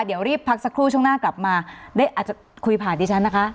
เดี๋ยวรีบพักสักครู่ช่วงหน้ากลับมาได้อาจจะคุยผ่านดิฉันนะคะ